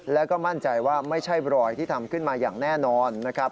แล้วก็มั่นใจว่าไม่ใช่รอยที่ทำขึ้นมาอย่างแน่นอนนะครับ